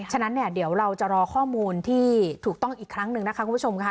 ฉะนั้นเนี่ยเดี๋ยวเราจะรอข้อมูลที่ถูกต้องอีกครั้งหนึ่งนะคะคุณผู้ชมค่ะ